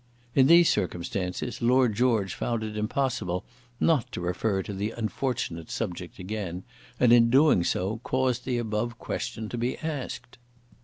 In these circumstances Lord George found it impossible not to refer to the unfortunate subject again, and in doing so caused the above question to be asked.